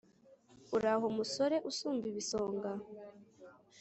Uraho musore usumba ibisonga